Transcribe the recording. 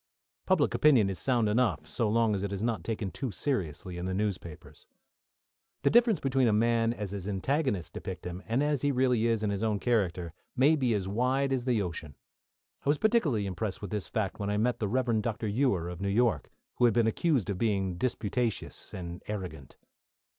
Public opinion is sound enough, so long as it is not taken too seriously in the newspapers. The difference between a man as his antagonists depict him, and as he really is in his own character, may be as wide as the ocean. I was particularly impressed with this fact when I met the Rev. Dr. Ewer of New York, who had been accused of being disputatious and arrogant.